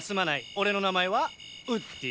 俺の名前はウッディ。